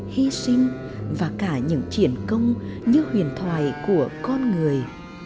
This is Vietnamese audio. hy sinh và cả những triển công như huyền thoại của con người